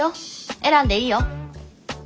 選んでいいよ。